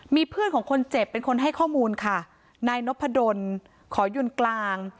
มีเพื่อนของคนเจ็บเป็นคนให้ข้อมูลค่ะนายนพดลขอยนต์กลาง